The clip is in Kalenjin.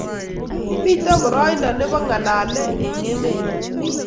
mito boroindo nibo ng'alale eng' emenyo